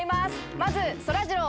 まずそらジロー